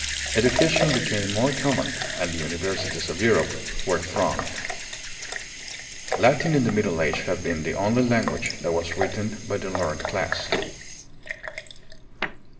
Education became more common, and the universities of Europe were thronged. Latin in the Middle Age had been the only language that was written by the learned class.